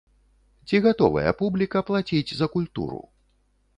Ці гатовая публіка плаціць за культуру?